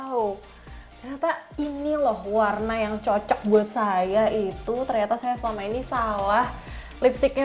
tahu ternyata ini loh warna yang cocok buat saya itu ternyata saya selama ini salah lipsticknya